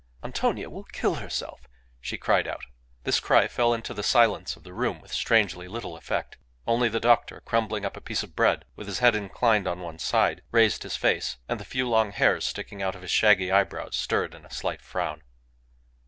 "Antonia will kill herself!" she cried out. This cry fell into the silence of the room with strangely little effect. Only the doctor, crumbling up a piece of bread, with his head inclined on one side, raised his face, and the few long hairs sticking out of his shaggy eyebrows stirred in a slight frown.